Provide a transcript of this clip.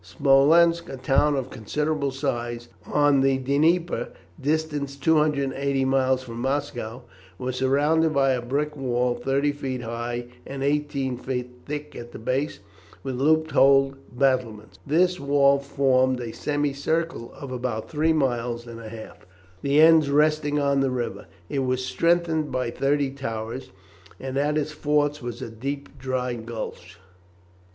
Smolensk, a town of considerable size, on the Dnieper, distant 280 miles from Moscow, was surrounded by a brick wall thirty feet high and eighteen feet thick at the base, with loopholed battlements. This wall formed a semicircle of about three miles and a half, the ends resting on the river. It was strengthened by thirty towers, and at its forts was a deep dry ditch.